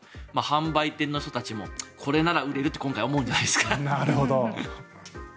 販売店の人たちもこれなら売れるって今回は思うんじゃないですか。